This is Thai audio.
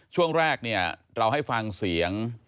ช่วงแรกเราให้ฟังเสียง